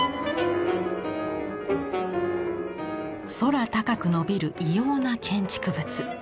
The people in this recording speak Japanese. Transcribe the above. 空高くのびる異様な建築物。